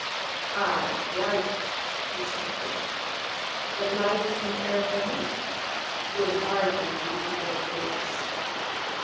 "I doubt it," he said grimly. "The life of an Arab woman would hardly be to your taste.